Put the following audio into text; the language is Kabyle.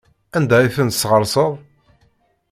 Anda ay ten-tesɣesreḍ?